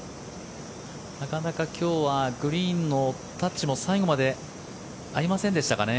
なかなか今日はグリーンのタッチも最後まで合いませんでしたかね。